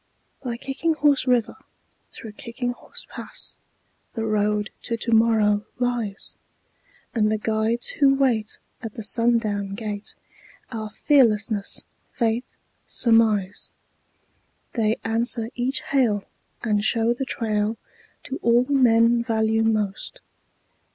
By Kicking Horse River, through Kicking Horse Pass, The Road to Tomorrow lies; And the guides who wait at the sundown gate Are Fearlessness, Faith, Surmise. They answer each hail and show the trail To all men value most.